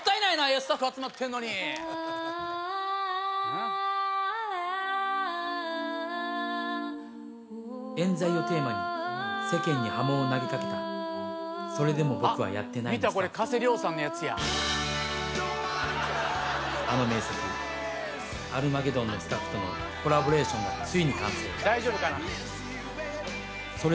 スタッフ集まってんのに冤罪をテーマに世間に波紋を投げかけた「それでもボクはやってない」のスタッフと見たこれ加瀬亮さんのヤツやあの名作「アルマゲドン」のスタッフとのコラボレーションがついに完成大丈夫かな？